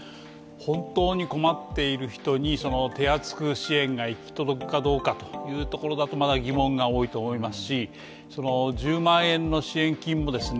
本当に困っている人に手厚く支援が行き届くかどうかというところだとまだ疑問が多いと思いますし１０万円の支援金もですね